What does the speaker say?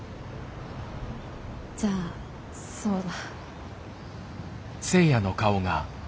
じゃあそうだ。